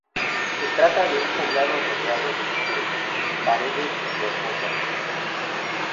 Se trata de un poblado rodeado de paredes rocosas.